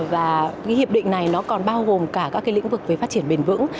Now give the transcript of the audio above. và cái hiệp định này nó còn bao gồm cả các cái lĩnh vực về phát triển bền vững